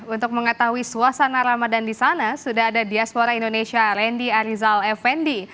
untuk mengetahui suasana ramadan di sana sudah ada diaspora indonesia randy arizal effendi